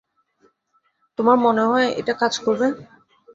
তোমার মনে হয় এটা কাজ করবে?